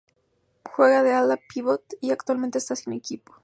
Juega de ala-pívot y actualmente está sin equipo.